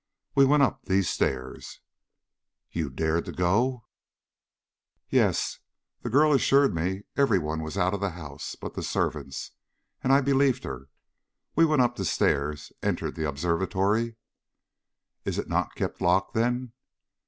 We went up these stairs." "You dared to?" "Yes; the girl assured me every one was out of the house but the servants, and I believed her. We went up the stairs, entered the observatory " "It is not kept locked, then?"